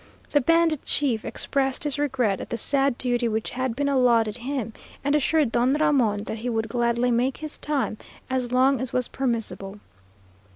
The bandit chief expressed his regret at the sad duty which had been allotted him, and assured Don Ramon that he would gladly make his time as long as was permissible.